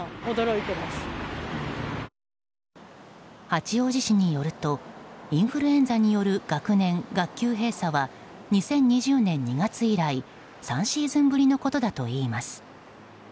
八王子市によるとインフルエンザによる学年・学級閉鎖は２０２０年２月以来３シーズンぶりのことだといいます。